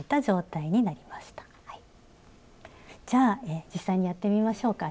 じゃあ実際にやってみましょうか。